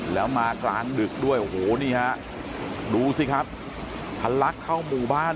แล้วมากลางดึกด้วยโอ้โหนี่ฮะดูสิครับทะลักเข้าหมู่บ้าน